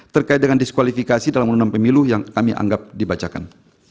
terkait dengan diskualifikasi dalam undang undang pemilu yang kami anggap dibacakan